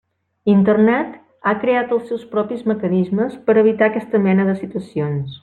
Internet ha creat els seus propis mecanismes per evitar aquesta mena de situacions.